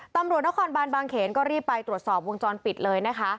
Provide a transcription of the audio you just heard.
ตำรวจนครบานบางเขนก็รีบไปตรวจสอบวงจรปิดเลยนะคะ